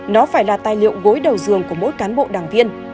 nó phải là tài liệu gối đầu dường của mỗi cán bộ đảng viên